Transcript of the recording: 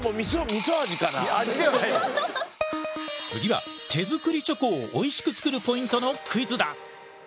次は手作りチョコをおいしく作るポイントのクイズだ！